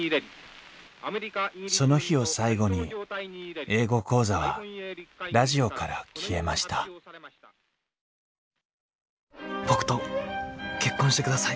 その日を最後に「英語講座」はラジオから消えました僕と結婚してください。